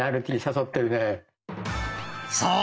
そう！